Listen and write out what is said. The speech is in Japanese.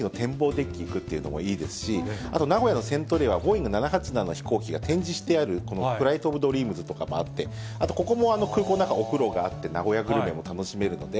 デッキに行くっていうのもいいですし、あと、名古屋のセントレアはボーイング７８７が展示してあるフライト・オブ・ドリームズというのがあって、ここも空港の中お風呂があって、名古屋グルメも楽しめるので、